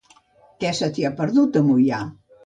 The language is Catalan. Què se t'hi ha perdut, a Moià?